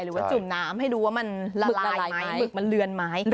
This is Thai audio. หรือว่าจุ่มน้ำให้ดูว่ามันละลายไหมมึกมันเลือนไหม